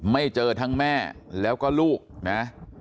ไม่เจอทั้งแม่แล้วก็ลูกนะ